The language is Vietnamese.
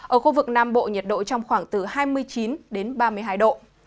ở khu vực nam bộ nhiệt độ trong khoảng hai mươi chín ba mươi hai độ